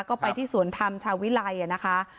ก็ไปที่สวนธรรมชาววิลัยนะคะ